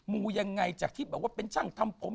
มูยังไงจากที่แบบว่าเป็นช่างทำผม